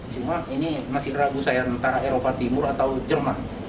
cuma ini masih ragu saya antara eropa timur atau jerman